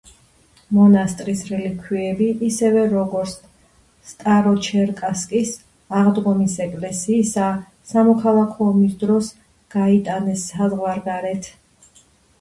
მონასტრის რელიქვიები, ისევე როგორც სტაროჩერკასკის აღდგომის ეკლესიისა, სამოქალაქო ომის დროს გაიტანეს საზღვარგარეთ.